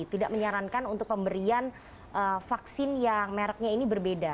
tidak menyarankan untuk pemberian vaksin yang mereknya ini berbeda